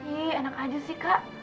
ih enak aja sih kak